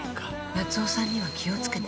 夏雄さんには気を付けて。